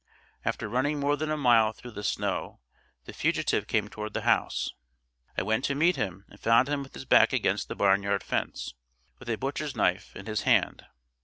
After running more than a mile through the snow, the fugitive came toward the house; I went to meet him, and found him with his back against the barn yard fence, with a butcher's knife in his hand.